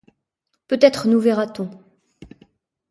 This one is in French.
Peut-être nous verra-t-on!